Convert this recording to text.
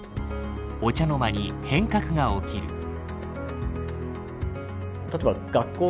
お茶の間に変革が起きる。